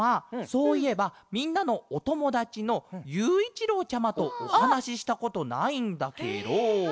そういえばみんなのおともだちのゆういちろうちゃまとおはなししたことないんだケロ。